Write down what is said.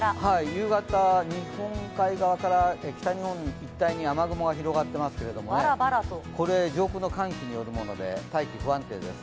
夕方、日本海側から北日本一帯に雨雲が広がっていますけれども、これ、上空の寒気によるもので、大気が不安定です。